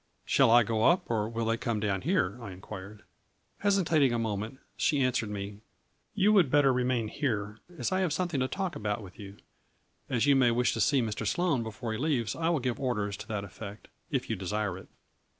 "Shall I go up or will they come down here ?" I inquired. Hesitating a moment, she answered me : "You would better remain here, as I have something to talk about with you. As you may wish to see Mr. Sloane before he leaves I will give orders to that effect, if you desire it."